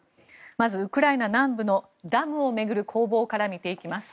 まずウクライナ南部のダムを巡る攻防から見ていきます。